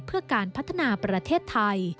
เพื่อการพัฒนาประเทศไทย